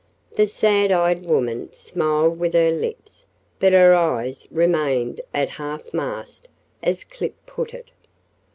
The sad eyed woman smiled with her lips, but her eyes "remained at half mast," as Clip put it.